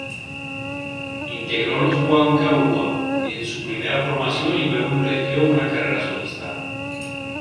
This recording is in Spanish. Integró Los Huanca Hua en su primera formación y luego emprendió una carrera solista.